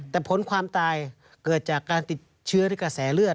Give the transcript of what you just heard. แต่ผลความตายเกิดจากการติดเชื้อด้วยกระแสเลือด